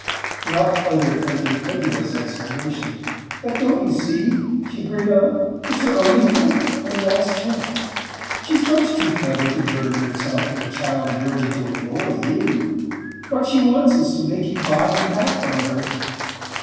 Ralph uttered an incredulous exclamation. "But don't you see?" she hurried on. "It's her only hope her last chance. She's much too clever to burden herself with the child merely to annoy you. What she wants is to make you buy him back from her."